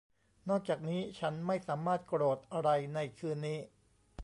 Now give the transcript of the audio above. นอกจากนี้ฉันไม่สามารถโกรธอะไรในคืนนี้